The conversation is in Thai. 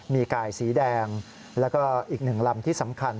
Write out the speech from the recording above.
มีกายสีแดงแล้วก็อีก๑ลำที่สำคัญ